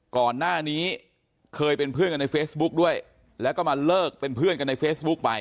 ก่อนหน้านี้เคยเป็นเพื่อนกันในเฟซบุ๊กด้วยแล้วก็มาเลิกเป็นเพื่อนกันในเฟซบุ๊กไป